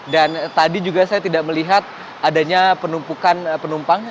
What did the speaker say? dan tadi juga saya tidak melihat adanya penumpukan penumpang